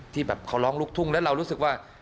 ที่แบบเขาร้องลูกทุ่งแล้วเรารู้สึกว่า